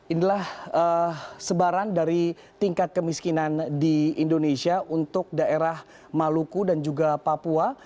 inilah sebaran dari tingkat kemiskinan di indonesia untuk daerah maluku dan juga papua